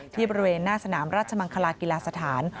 บริเวณหน้าสนามราชมังคลากีฬาสถาน